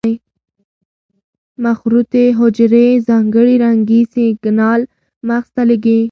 مخروطې حجرې ځانګړي رنګي سېګنال مغز ته لېږي.